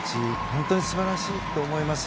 本当に素晴らしいと思います。